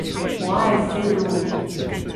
博愛四路